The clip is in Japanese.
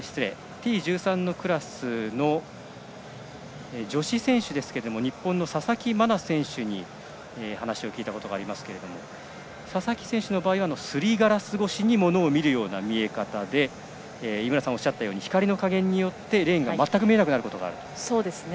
Ｔ１３のクラスの女子選手ですが日本の佐々木真菜選手に話を聞いたことがありますが佐々木選手の場合はすりガラス越しに見るような見え方で井村さんがおっしゃったように光の加減によってレーンが全く見えなくなることがあると。